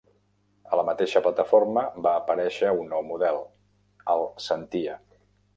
A la mateixa plataforma va aparèixer un nou model, el Sentia.